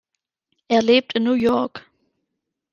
Er lebt in New York.